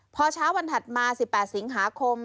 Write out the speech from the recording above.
พอเช้าวันถัดมา๑๘สิงหาคม